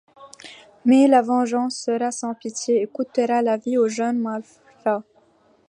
Mais la vengeance sera sans pitié, et coûtera la vie au jeune malfrat.